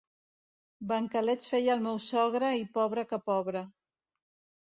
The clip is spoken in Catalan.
Bancalets feia el meu sogre i pobre que pobre.